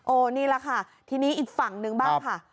นี่แหละค่ะทีนี้อีกฝั่งนึงบ้างค่ะ